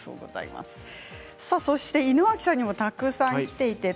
井之脇さんにもたくさんきています。